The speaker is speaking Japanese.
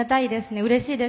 うれしいです。